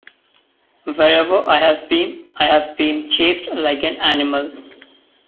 Wherever I have been, I have been chased like an animal.